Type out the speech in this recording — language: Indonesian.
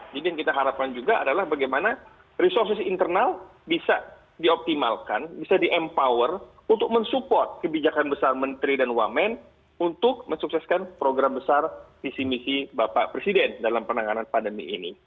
jadi yang kita harapkan juga adalah bagaimana resources internal bisa dioptimalkan bisa di empower untuk mensupport kebijakan besar menteri dan wamen untuk mensukseskan program besar visi misi bapak presiden dalam penanganan pandemi ini